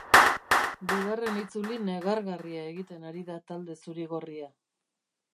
Bigarren itzuli negargarria egiten ari da talde zuri-gorria.